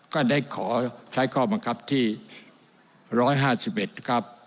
ก็ได้ขอใช้ข้อบังคับที่๑๕๑ครับ